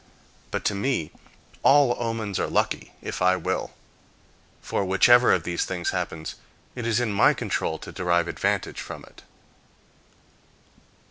But to me all omens are lucky, if I will. For whichever of these things happens, it is in my control to derive advantage from it."